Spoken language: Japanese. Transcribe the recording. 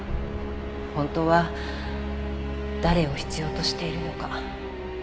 本当は誰を必要としているのか。